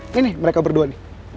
ini mereka berdua nih